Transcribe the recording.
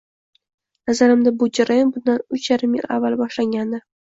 Nazarimda, bu jarayon bundan uch yarim yil avval boshlangandi.